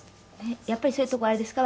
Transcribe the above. やっぱり、そういうとこはあれですか？